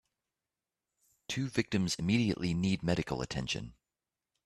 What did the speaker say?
Two victims immediately need medical attention.